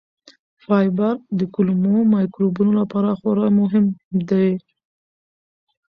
فایبر د کولمو مایکروبونو لپاره خورا مهم دی.